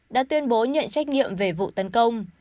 đã tuyên bố nhận trách nhiệm về vụ tấn công